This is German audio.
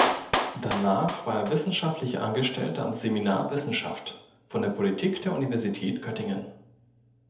Danach war er Wissenschaftlicher Angestellter am Seminar Wissenschaft von der Politik der Universität Göttingen.